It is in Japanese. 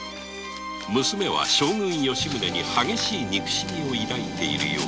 娘は将軍・吉宗に激しい憎しみを抱いているようであった